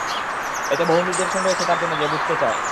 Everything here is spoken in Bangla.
এতে বহু নিদর্শন রয়েছে তার জন্য যে বুঝতে চায়।